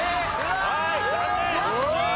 はい残念！